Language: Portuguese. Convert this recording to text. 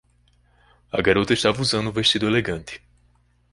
A garota estava usando um vestido elegante.